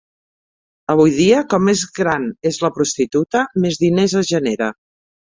Avui dia, com més gran és la prostituta, més diners es genera.